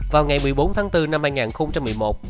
vào ngày một mươi bốn tháng bốn năm hai nghìn một mươi một